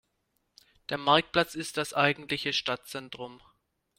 Der Marktplatz ist das eigentliche Stadtzentrum.